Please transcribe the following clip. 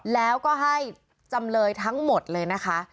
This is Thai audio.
แล้วก็ให้จำเลยทั้งหมดเลยนะคะ